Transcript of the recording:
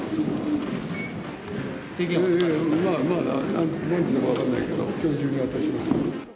まあ、何時になるか分からないけど、きょう中に渡します。